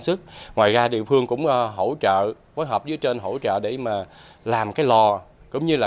sức ngoài ra địa phương cũng hỗ trợ phối hợp với trên hỗ trợ để mà làm cái lò cũng như là